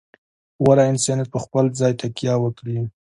غوره انسانیت په خپل ځان تکیه وکړي.